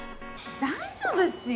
大丈夫っすよ。